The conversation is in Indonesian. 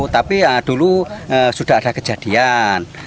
tapi ya dulu sudah ada kejadian